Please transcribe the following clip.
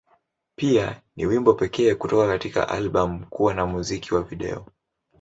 Pia, ni wimbo pekee kutoka katika albamu kuwa na muziki wa video.